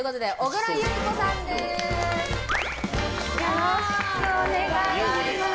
よろしくお願いします。